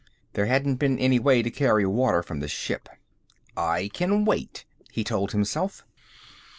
There hadn't been any way to carry water from the ship. "I can wait," he told himself.